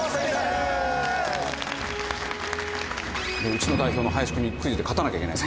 うちの代表の林くんにクイズで勝たなきゃいけない。